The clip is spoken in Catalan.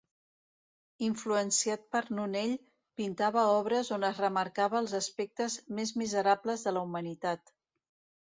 Influenciat per Nonell, pintava obres on es remarcava els aspectes més miserables de la humanitat.